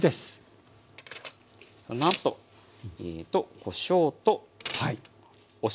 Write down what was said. そのあとこしょうとお塩。